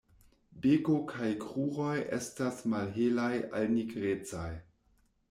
Beko kaj kruroj estas malhelaj al nigrecaj.